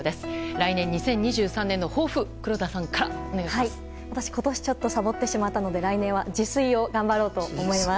来年、２０２３年の抱負を黒田さんからお願いします。